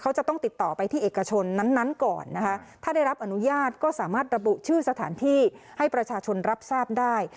เขาจะต้องติดต่อไปที่เอกชนนั้นก่อนนะคะถ้าได้รับอนุญาตก็สามารถระบุชื่อสถานที่ให้ประชาชนรับทราบได้